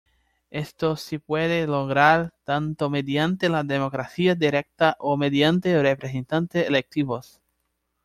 Esto se puede lograr tanto mediante la democracia directa o mediante representantes electivos.